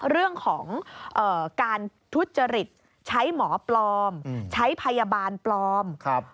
เรื่องของการทุจริตใช้หมอปลอมใช้พยาบาลปลอม